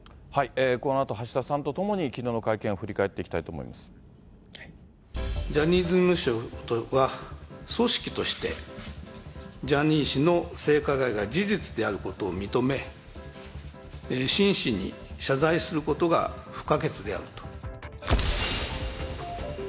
このあと橋田さんと共に、きのうの会見を振り返っていきたいジャニーズ事務所は、組織として、ジャニー氏の性加害が事実であることを認め、真摯に謝罪することが不可欠であると。